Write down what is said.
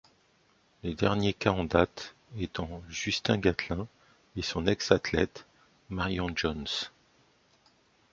Les derniers cas en date, étant Justin Gatlin, et son ex-athlète, Marion Jones.